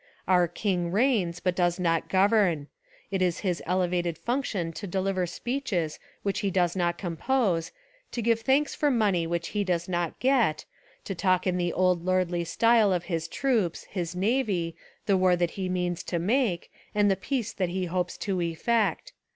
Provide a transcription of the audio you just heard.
Our king reigns but does not govern. It is his elevated function to deliver speeches which he does not compose, to give thanks for money which he does not get, to talk in the old lordly style of his troops, his navy, the war that he means to make, and the peace that he hopes to effect.